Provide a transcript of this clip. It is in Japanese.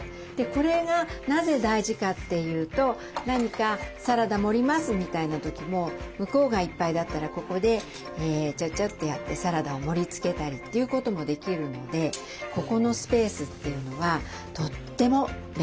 これがなぜ大事かっていうと何か「サラダ盛ります」みたいな時も向こうがいっぱいだったらここでちゃちゃっとやってサラダを盛りつけたりということもできるのでここのスペースというのはとっても便利です。